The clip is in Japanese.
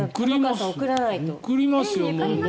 送りますよ。